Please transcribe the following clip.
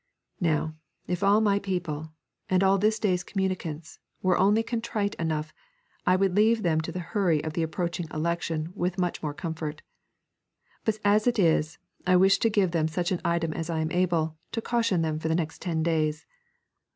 Now, if all my people, and all this day's communicants, were only contrite enough, I would leave them to the hurry of the approaching election with much more comfort. But as it is, I wish to give them such an item as I am able to caution them for the next ten days.